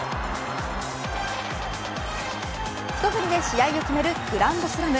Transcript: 一振りで試合を決めるグランドスラム。